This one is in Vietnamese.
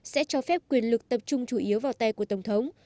sẽ cho phép quyền lực tập trung chủ yếu vào tay của tổng thống